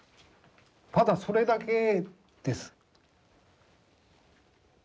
ただそれだけです。